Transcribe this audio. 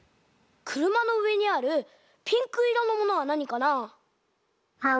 くるまのうえにあるピンクいろのものはなにかな？